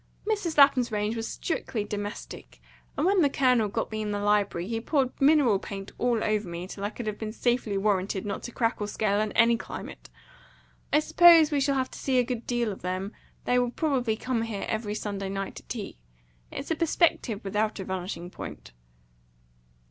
Mrs. Lapham's range was strictly domestic; and when the Colonel got me in the library, he poured mineral paint all over me, till I could have been safely warranted not to crack or scale in any climate. I suppose we shall have to see a good deal of them. They will probably come here every Sunday night to tea. It's a perspective without a vanishing point."